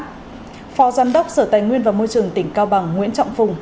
phó giám đốc sở tài nguyên và môi trường tỉnh cao bằng nguyễn trọng phùng